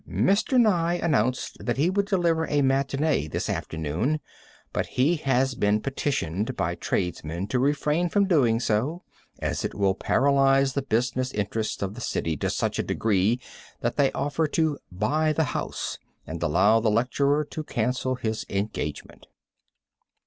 Mr. Nye announced that he would deliver a matinee this afternoon, but he has been petitioned by tradesmen to refrain from doing so, as it will paralyze the business interests of the city to such a degree that they offer to "buy the house," and allow the lecturer to cancel his engagement.